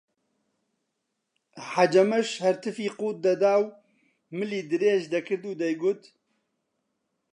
حەجەمەش هەر تفی قووت دەدا و ملی درێژ دەکرد و دەیگوت: